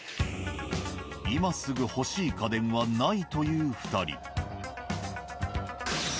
今すぐ欲しい家電はないという２人。